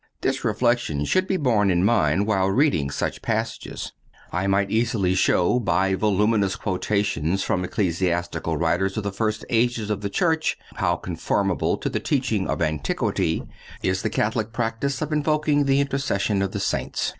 This reflection should be borne in mind while reading such passages. I might easily show, by voluminous quotations from ecclesiastical writers of the first ages of the Church, how conformable to the teaching of antiquity is the Catholic practice of invoking the intercession of the Saints.